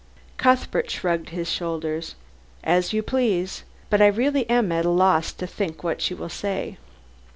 Cuthbert shrugged his shoulders. "As you please. But I really am at a loss to think what she will say."